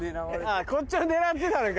こっちを狙ってたのか。